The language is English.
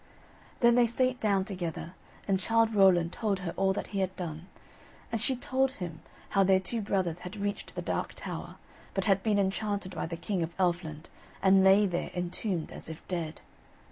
Then they sate down together, and Childe Rowland told her all that he had done, and she told him how their two brothers had reached the Dark Tower, but had been enchanted by the King of Elfland, and lay there entombed as if dead.